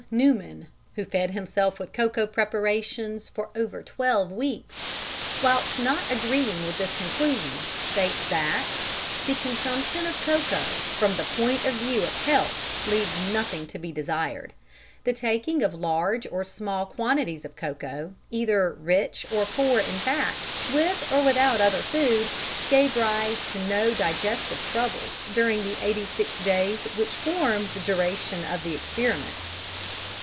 Neumann (who fed himself with cocoa preparations for over twelve weeks), whilst not agreeing with this conclusion, states that: "The consumption of cocoa from the point of view of health leaves nothing to be desired. The taking of large or small quantities of cocoa, either rich or poor in fat, with or without other food, gave rise to no digestive troubles during the 86 days which formed the duration of the experiments."